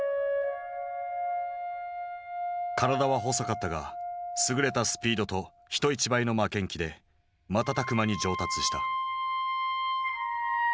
体は細かったが優れたスピードと人一倍の負けん気で瞬く間に上達した。